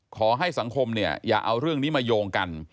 ขอให้สังคมเนี่ยอย่าเอาเรื่องนี้มาโยงกัน